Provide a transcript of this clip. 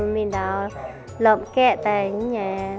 nhiều cơm quá